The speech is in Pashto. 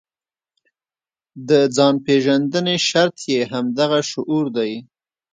د ځان پېژندنې شرط یې همدغه شعور دی.